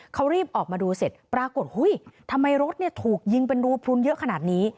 เขารีบออกมาดูเสร็จปรากฏเฮ้ยทำไมรถถูกยิงเป็นรูพลุนเยอะขนาดนี้